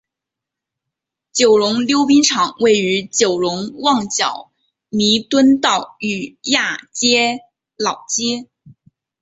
九龙溜冰场位于九龙旺角弥敦道与亚皆老街。